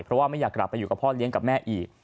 เพราะว่าไม่อยากกลับไปอยู่กับพ่อเลี้ยงกับแม่อีก